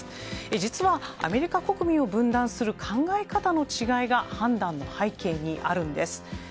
実はアメリカ国民を分断する考え方の違いが判断の背景にあるんです。